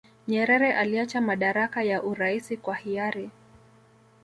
nyerere aliacha madaraka ya uraisi kwa hiyari